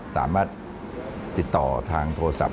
สามารถติดต่อทางโทรศัพท์